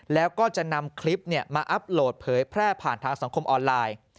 แล้วก็จะนำคลิปมาอัพโหลดเผยแพร่ผ่านทางสังคมออนไลน์